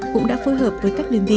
cũng đã phối hợp với các liên vị